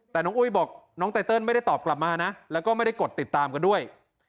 แต่น้องอุ้ยบอกน้องไตเติลไม่ได้ตอบกลับมานะแล้วก็ไม่ได้กดติดตามกันด้วย